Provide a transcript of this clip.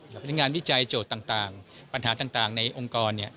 พนักงานวิจัยโจทย์ต่างปัญหาต่างในองค์กร